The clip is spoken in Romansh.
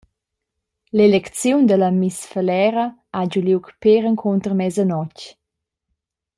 L’elecziun dalla «Miss Falera» ha giu liug pér encunter mesanotg.